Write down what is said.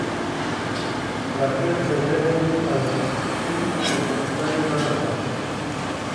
راکټ د ذهن او وس پرمختللې بڼه ده